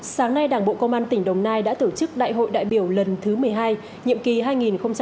sáng nay đảng bộ công an tỉnh đồng nai đã tổ chức đại hội đại biểu lần thứ một mươi hai nhiệm kỳ hai nghìn hai mươi hai nghìn hai mươi năm